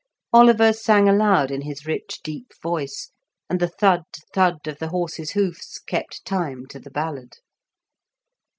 Oliver sang aloud in his rich deep voice, and the thud, thud of the horses' hoofs kept time to the ballad.